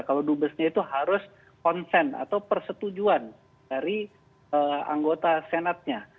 kalau dubesnya itu harus konsen atau persetujuan dari anggota senatnya